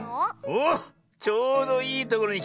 おっちょうどいいところにきた。